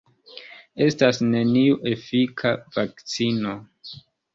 Estas neniu efika vakcino.